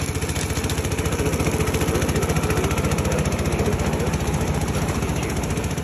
Ha ejercido como profesor universitario en las universidad de Costa Rica y de Chile.